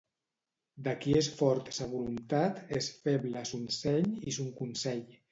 De qui és fort sa voluntat, és feble son seny i son consell.